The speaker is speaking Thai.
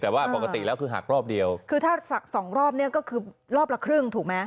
แต่ว่าปกติแล้วคือหักรอบเดียวคือถ้าสักสองรอบเนี่ยก็คือรอบละครึ่งถูกไหม